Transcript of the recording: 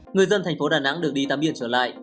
người dân thành phố đà nẵng được đi tắm biển trở lại